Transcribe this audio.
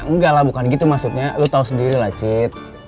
ya enggak lah bukan gitu maksudnya lo tau sendiri lah cid